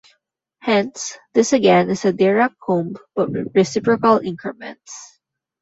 Hence, this again is a Dirac comb but with reciprocal increments.